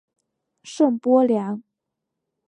圣波良。